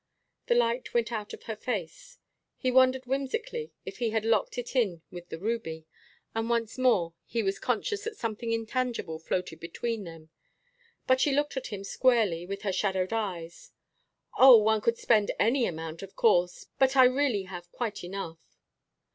The light went out of her face. He wondered whimsically if he had locked it in with the ruby, and once more he was conscious that something intangible floated between them. But she looked at him squarely with her shadowed eyes. "Oh, one could spend any amount, of course, but I really have quite enough."